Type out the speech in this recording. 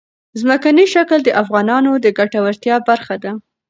ځمکنی شکل د افغانانو د ګټورتیا برخه ده.